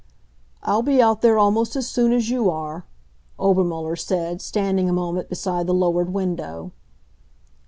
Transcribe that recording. "I'll be out there almost as soon as you are," Obermuller said, standing a moment beside the lowered window.